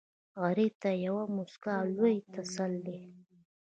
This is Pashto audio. غریب ته یوه موسکا لوی تسل دی